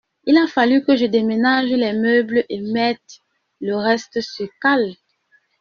Il a fallu que je déménage les meubles et mette le reste sur cales.